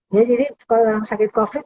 jadi kalau orang sakit covid